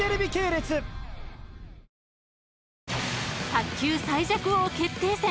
［卓球最弱王決定戦。